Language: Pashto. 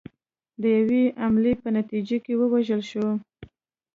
د یوې حملې په نتیجه کې ووژل شول.